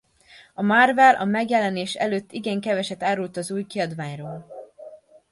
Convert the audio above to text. A Marvel a megjelenés előtt igen keveset árult az új kiadványról.